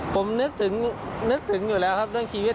ผมนึกถึงนึกถึงอยู่แล้วครับเรื่องชีวิต